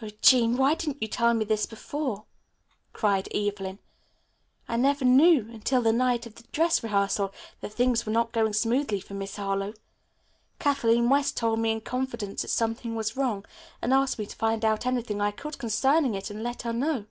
"Oh, Jean, why didn't you tell me this before," cried Evelyn. "I never knew until the night of the dress rehearsal that things were not going smoothly for Miss Harlowe. Kathleen West told me in confidence that something was wrong, and asked me to find out anything I could concerning it and let her know.